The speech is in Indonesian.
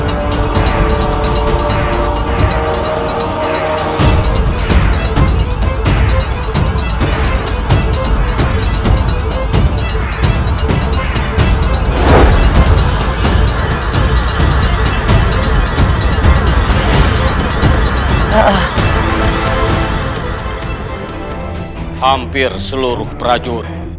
sudah keluar dari stasiun